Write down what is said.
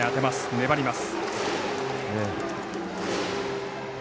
粘ります。